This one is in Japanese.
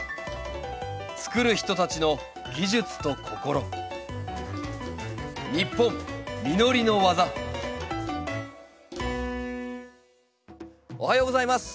つくる人たちの技術と心おはようございます。